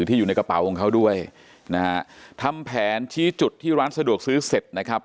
ที่อยู่ในกระเป๋าของเขาด้วยนะฮะทำแผนชี้จุดที่ร้านสะดวกซื้อเสร็จนะครับ